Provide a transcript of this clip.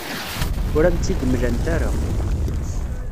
Ur am-tt-id-mlant ara.